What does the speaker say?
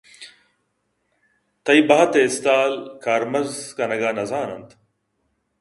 تئی بحت ءِ استال کارمرز کنگ ءَ نہ زان اَنت